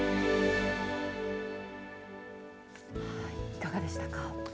いかがでしたか。